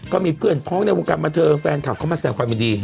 ก็มีเพื่อนฟ้องบุกกรรมระเทิงแฟนคลับเข้ามาแสวความบีดี